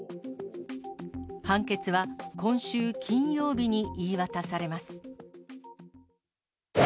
判決は今週金曜日に言い渡されます。